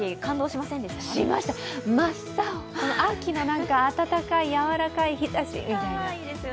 しました、真っ青、秋の暖かい、やわらかい日ざしが。